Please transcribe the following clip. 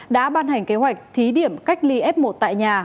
đã ban hành kế hoạch thí điểm cách ly f một tại nhà